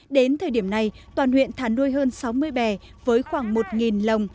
đến thời điểm này toàn huyện thả nuôi hơn sáu mươi bè với khoảng một lồng